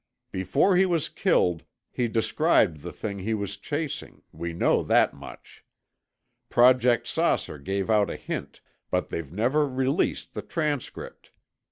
Before he was killed, he described the thing he was chasing—we know that much. Project 'Saucer' gave out a hint, but they've never released the transcript.